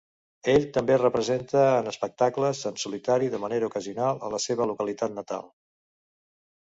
Ell també representa en espectacles en solitari de manera ocasional a la seva localitat natal.